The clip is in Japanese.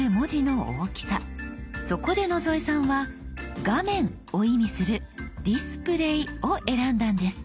そこで野添さんは「画面」を意味する「ディスプレイ」を選んだんです。